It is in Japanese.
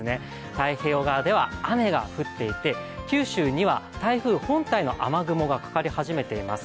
太平洋側では雨が降っていて、九州には台風本体の雨雲がかかり始めています。